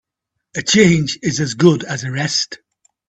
A change is as good as a rest.